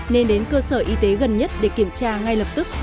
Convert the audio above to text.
nên đến cơ sở y tế gần nhất để kiểm tra ngay lập tức